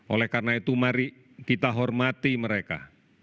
oleh karena itu mari kita hormati mereka